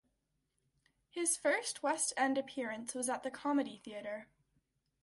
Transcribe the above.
His first West End appearance was at the Comedy Theatre.